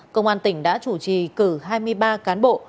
công an tỉnh đã chủ trì cử hai mươi ba cán bộ